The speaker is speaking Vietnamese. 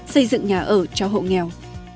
xây dựng nhà ở cho hộ nghèo